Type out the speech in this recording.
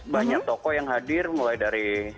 banyak tokoh yang hadir mulai dari